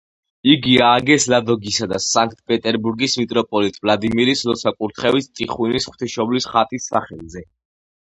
იგი ააგეს ლადოგისა და სანქტ-პეტერბურგის მიტროპოლიტ ვლადიმირის ლოცვა-კურთხევით ტიხვინის ღვთისმშობლის ხატის სახელზე.